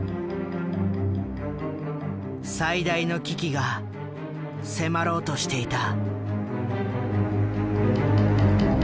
最大の危機が迫ろうとしていた。